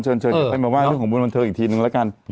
เชิญไปมาว่าเรื่องของบุญวัณเทอร์อีกทีหนึ่งแล้วกัน